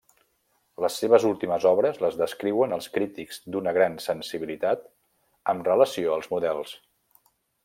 Les seves últimes obres les descriuen els crítics d'una gran sensibilitat amb relació als models.